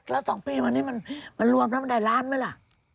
แล้ว๒ปีวันนี้มันรวมแล้วมันได้ล้านไหมล่ะ